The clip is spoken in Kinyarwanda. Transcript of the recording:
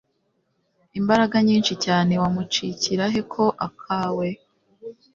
imbaraga nyinshi cyane wamucikira he ko akawe